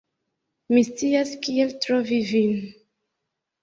Mi scias kiel trovi vin.